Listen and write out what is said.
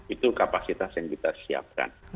itu kapasitas yang kita siapkan